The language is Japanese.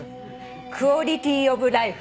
クオリティ・オブ・ライフ。